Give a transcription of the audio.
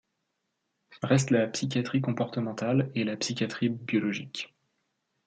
Restent la psychiatrie comportementale et la psychiatrie biologique.